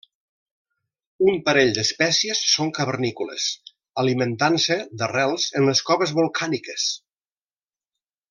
Un parell d'espècies són cavernícoles, alimentant-se d'arrels en les coves volcàniques.